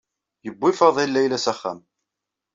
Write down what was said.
Yewwi Faḍil Layla s axxam.